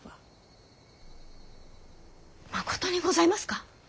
まことにございますか！？